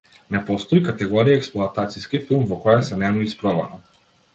Не постои категорија експлоатациски филм во која се нема испробано.